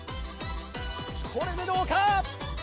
これでどうか？